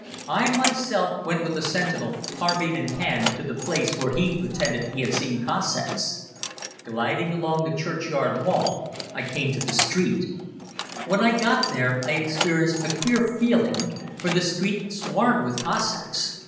I myself went with the sentinel, carbine in hand, to the place where he pretended he had seen Cossacks. Gliding along the churchyard wall I came to the street. When I got there I experienced a queer feeling, for the street swarmed with Cossacks.